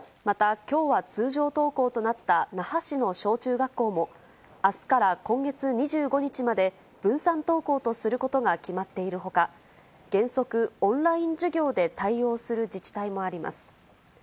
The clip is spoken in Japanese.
またきょうは通常登校となった那覇市の小中学校も、あすから今月２５日まで、分散登校とすることが決まっているほか、原則オンライン授業で対応する自治体もあります。